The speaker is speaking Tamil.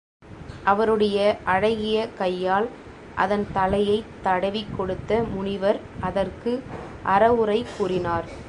அவருடைய அழகிய கையால் அதன் தலையைத் தடவிக் கொடுத்த முனிவர் அதற்கு அறவுரை கூறினார்.